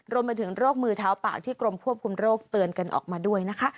รวมไปถึงโรคมือเท้าเปล่าที่กรมควบคุมโรคเตือนกันออกมาด้วยนะคะ